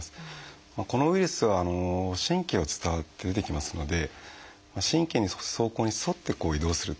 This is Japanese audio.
このウイルスは神経を伝わって出てきますので神経に走行に沿って移動する。